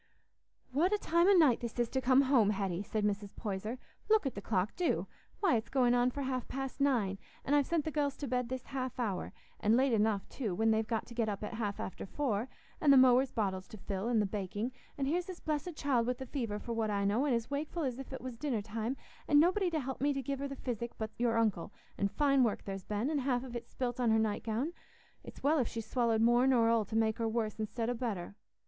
"What a time o' night this is to come home, Hetty!" said Mrs. Poyser. "Look at the clock, do; why, it's going on for half past nine, and I've sent the gells to bed this half hour, and late enough too; when they've got to get up at half after four, and the mowers' bottles to fill, and the baking; and here's this blessed child wi' the fever for what I know, and as wakeful as if it was dinner time, and nobody to help me to give her the physic but your uncle, and fine work there's been, and half of it spilt on her night gown—it's well if she's swallowed more nor 'ull make her worse i'stead o' better.